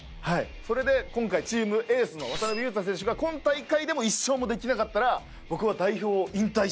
それで今回チームエースの渡邊雄太選手が「今大会でも１勝もできなかったら僕は代表を引退します」。